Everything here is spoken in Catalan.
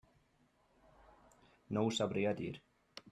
No ho sabria dir.